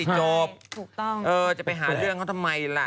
จบถูกต้องเออจะไปหาเรื่องเขาทำไมล่ะ